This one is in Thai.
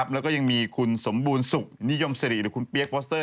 แล้วก็ยังมีคุณสมบูรณสุขนิยมสิริหรือคุณเปี๊ยกปอสเตอร์